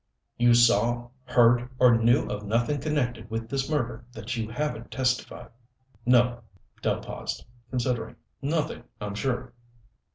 "You saw, heard or knew of nothing connected with this murder that you haven't testified." "No." Dell paused, considering. "Nothing, I'm sure."